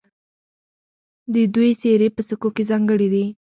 د دوی څیرې په سکو کې ځانګړې دي